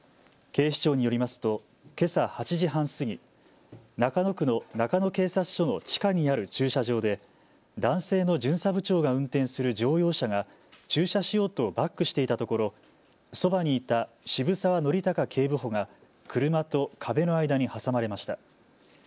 警視庁によりますとけさ８時半過ぎ中野区の中野警察署の地下にある駐車場で男性の巡査部長が運転する乗用車が駐車しようとバックしていたところ、そばにいた渋澤憲孝警部補が車と壁の間に挟まれました。